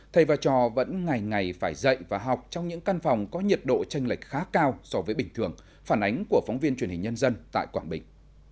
thầy và trò vẫn ngày ngày phải dạy và học trong những căn phòng có nhiệt độ tranh lệch khá cao so với bình thường phản ánh của phóng viên truyền hình nhân dân tại quảng bình